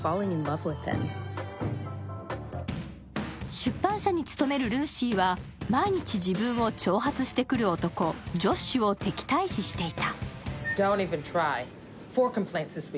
出版社に勤めるルーシーは毎日自分を挑発してくる男ジョッシュを敵対視していた。